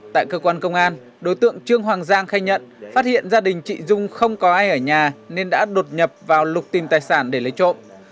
tại cơ quan công an đối tượng trương hoàng giang khai nhận phát hiện gia đình chị dung không có ai ở nhà nên đã đột nhập vào lục tìm tài sản để lấy trộm